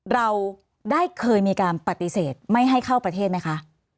เราได้เคยมีการปฏิเสธไม่ให้เข้าประเทศไหมคะ